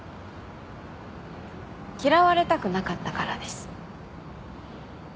嫌われたくなかったからです。